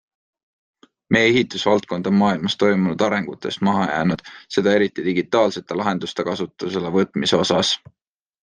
Meie ehitusvaldkond on maailmas toimunud arengutest maha jäänud, seda eriti digitaalsete lahenduste kasutusele võtmise osas.